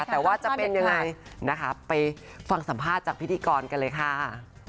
แต่ว่าจะเป็นยังไงนะคะไปฟังสัมภาษณ์จากพิธีกรกันเลยค่ะ